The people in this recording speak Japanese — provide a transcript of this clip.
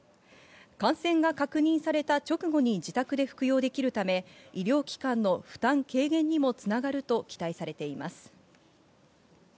感染が確認された直後に自宅で服用できるため、医療機関の負担軽減にもつながると期待されています。